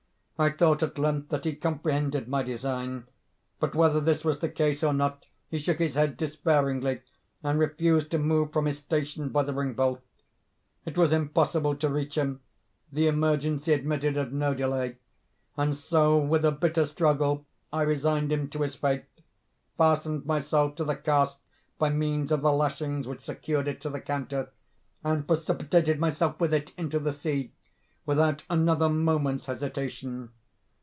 I thought at length that he comprehended my design—but, whether this was the case or not, he shook his head despairingly, and refused to move from his station by the ring bolt. It was impossible to reach him; the emergency admitted of no delay; and so, with a bitter struggle, I resigned him to his fate, fastened myself to the cask by means of the lashings which secured it to the counter, and precipitated myself with it into the sea, without another moment's hesitation.